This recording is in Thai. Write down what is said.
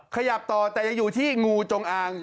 ขยับต่อแต่ยังอยู่ที่งูจงอาง